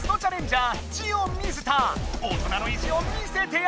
大人のい地を見せてやれ！